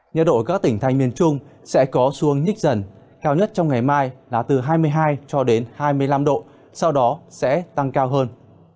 nhiệt độ ở các tỉnh thành miền trung sẽ có xuống nhích dần cao nhất trong ngày mai là từ hai mươi hai cho đến hai mươi năm độ sau đó sẽ tăng cao hơn